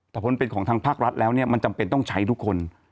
แต่ผลเป็นของทางภาครัฐแล้วเนี่ยมันจำเป็นต้องใช้ทุกคน